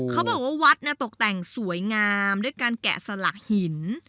เขาบอกว่าวัดตกแต่งสวยงามด้วยการแกะสลักหิน